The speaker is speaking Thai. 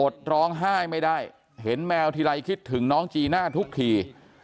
ร้องไห้ไม่ได้เห็นแมวทีไรคิดถึงน้องจีน่าทุกที